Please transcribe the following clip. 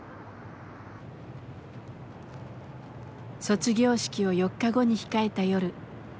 卒業式を４日後に控えた夜。